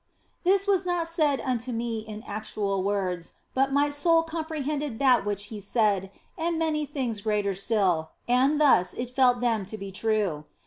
This was not said unto me in actual words, but my soul comprehended that which He said, and many things greater still, and thus it felt them to be true.